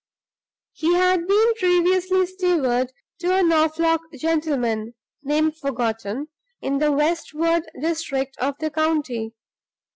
He had been previously steward to a Norfolk gentleman (name forgotten) in the westward district of the county.